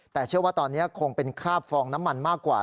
แต่เชื่อว่าตอนนี้คงเป็นคราบฟองน้ำมันมากกว่า